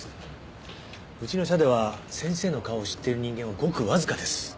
うちの社では先生の顔を知っている人間はごくわずかです。